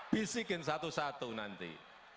bisikin satu satu nanti